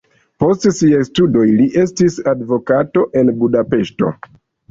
Post siaj studoj li estis advokato en Budapeŝto.